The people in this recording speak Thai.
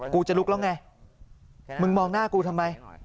กูจะลุกแล้วไงมึงมองหน้ากูทำไม